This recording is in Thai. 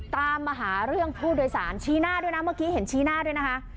ตามมาหาเรื่องผู้โดยสารชี้หน้าด้วยนะเมื่อกี้เห็นชี้หน้าด้วยนะคะ